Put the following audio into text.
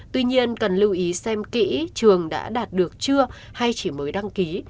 tuy nhiên cần lưu ý xem kỹ trường đã đạt được chưa hay chỉ mới đăng ký